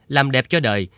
làm đẹp cho đời